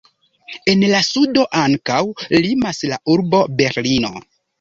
En la sudo ankaŭ limas la urbo Berlino.